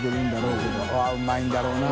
Δ錣うまいんだろうな。